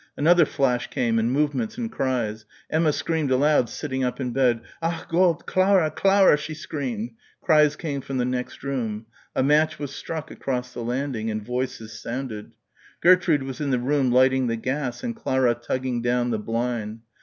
Another flash came and movements and cries. Emma screamed aloud, sitting up in bed. "Ach Gott! Clara! Clara!" she screamed. Cries came from the next room. A match was struck across the landing and voices sounded. Gertrude was in the room lighting the gas and Clara tugging down the blind.